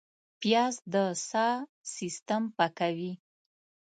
پیاز د ساه سیستم پاکوي